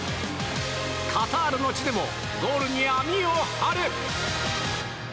カタールの地でもゴールに網を張る！